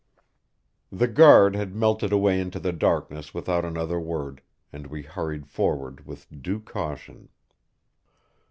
The guard had melted away into the darkness without another word, and we hurried forward with due caution.